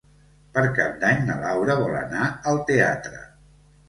Per Cap d'Any na Laura vol anar al teatre.